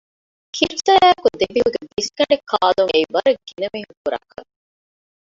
ކިރު ސަޔާއެކު ދެބިހުގެ ބިސްގަނޑެއް ކާލުން އެއީ ވަރަށް ގިނަމީހުން ކުރާކަމެއް